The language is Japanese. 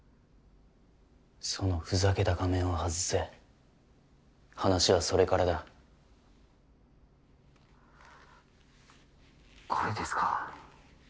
そのふざけた仮面を外せ話はそれからだこれですか？